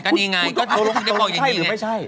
ทำรอใช่หรือไม่ใช่